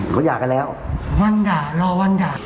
เขาหย่ากันแล้ววันด่ารอวันด่า